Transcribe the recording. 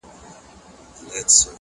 • دا د افغان د لوی ټبر مېنه ده,